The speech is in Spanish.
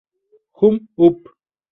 Jump Up!